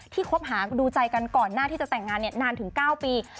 คบหาดูใจกันก่อนหน้าที่จะแต่งงานนานถึง๙ปี